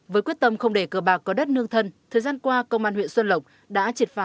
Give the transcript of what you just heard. với quyết tâm không để cơ bạc có đất nương thân thời gian qua công an huyện xuân lộc đã triệt phá